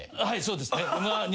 はいそうですね。